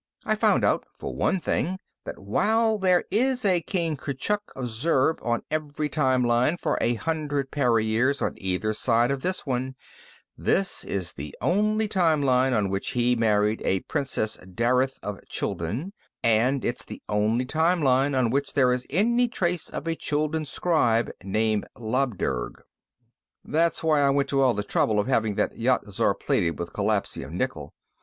I found out, for one thing, that while there is a King Kurchuk of Zurb on every time line for a hundred para years on either side of this one, this is the only time line on which he married a Princess Darith of Chuldun, and it's the only time line on which there is any trace of a Chuldun scribe named Labdurg. "That's why I went to all the trouble of having that Yat Zar plated with collapsed nickel.